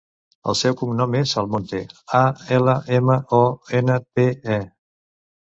El seu cognom és Almonte: a, ela, ema, o, ena, te, e.